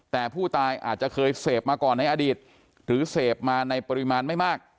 แต่ผู้ตายอาจจะเคยเสพมาก่อนในอดีตหรือเสพมาในปริมาณไม่มาก